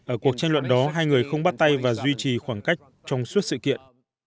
ở cuộc tranh luận đó hai người không bắt tay và duy trì khoảng cách trong suốt sự kiện